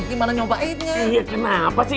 iya ya kenapa sih